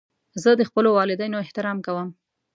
زه د خپلو والدینو احترام کوم.